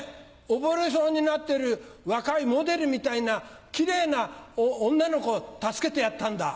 溺れそうになってる若いモデルみたいなキレイな女の子助けてやったんだ。